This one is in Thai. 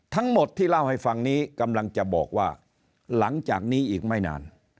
ทั้งหมดที่เล่าให้ฟังนี้กำลังจะบอกว่าหลังจากนี้อีกไม่นาน